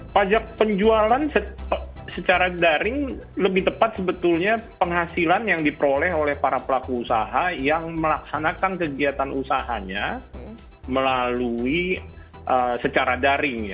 pajak penjualan secara daring lebih tepat sebetulnya penghasilan yang diperoleh oleh para pelaku usaha yang melaksanakan kegiatan usahanya melalui secara daring